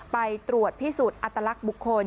ไปตรวจพิสูจน์อัตลักษณ์บุคคล